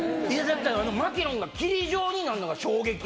マキロンが霧状になるのが衝撃よね？